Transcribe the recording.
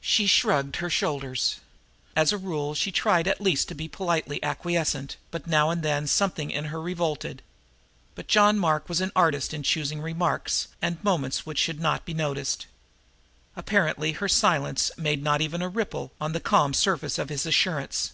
She shrugged her shoulders. As a rule she tried at least to be politely acquiescent, but now and then something in her revolted. But John Mark was an artist in choosing remarks and moments which should not be noticed. Apparently her silence made not even a ripple on the calm surface of his assurance.